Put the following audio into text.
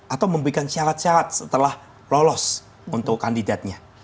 atau memberikan syarat syarat setelah lolos untuk kandidatnya